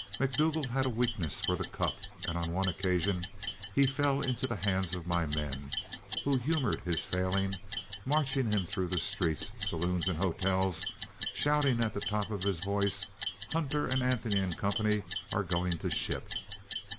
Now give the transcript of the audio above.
McDougle had a weakness for the cup, and on one occasion he fell into the hands of my men, who humored his failing, marching him through the streets, saloons, and hotels shouting at the top of his voice, "Hunter, Anthony & Company are going to ship!"